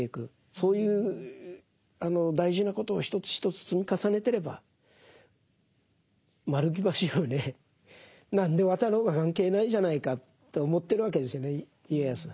そういう大事なことを一つ一つ積み重ねてれば丸木橋をね何で渡ろうが関係ないじゃないかと思ってるわけですよね家康は。